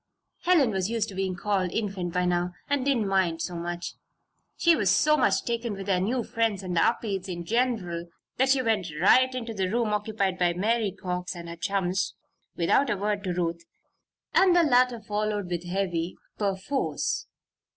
Helen was used to being called "Infant" by now and didn't mind so much. She was so much taken with their new friends and the Upedes in general that she went right into the room occupied by Mary Cox and her chums, without a word to Ruth, and the latter followed with Heavy, perforce.